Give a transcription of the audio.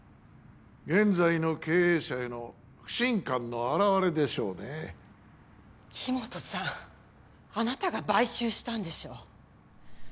現在の経営者への不信感の表れでしょうね木元さんあなたが買収したんでしょ